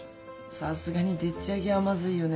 さすがにでっちあげはまずいよねえ。